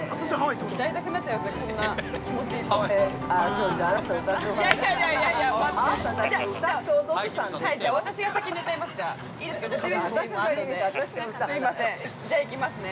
◆歌いたくなっちゃいますね。